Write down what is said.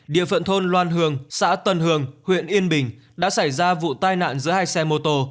địa phận thôn loan hường xã tân hường huyện yên bình đã xảy ra vụ tai nạn giữa hai xe mô tô